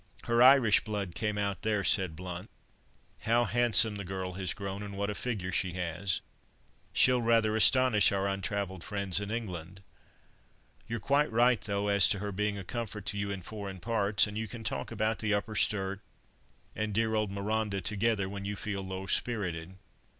"Her Irish blood came out there," said Blount; "how handsome the girl has grown, and what a figure she has! She'll rather astonish our untravelled friends in England. You're quite right, though, as to her being a comfort to you in foreign parts, and you can talk about the Upper Sturt, and dear old Marondah together, when you feel low spirited."